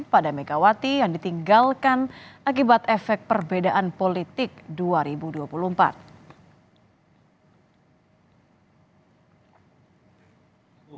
pada megawati yang ditinggalkan akibat efek perbedaan politik dua ribu dua puluh empat